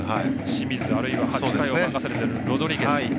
清水、あるいは８回を任されているロドリゲス。